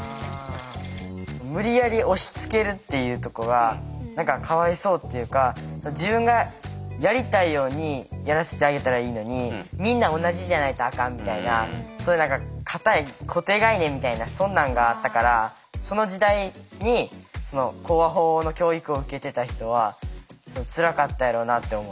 無理やり押しつけるっていうとこは何かかわいそうっていうか自分がやりたいようにやらせてあげたらいいのにみんな同じじゃないとあかんみたいなそういう何か硬い固定概念みたいなそんなんがあったからその時代に口話法の教育を受けてた人はつらかったやろうなと思う。